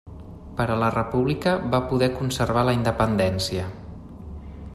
Però la república va poder conservar la independència.